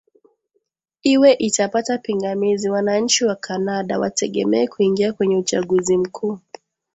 iwe itapata pingamizi wananchi wacanada wategemee kuingia kwenye uchaguzi mkuu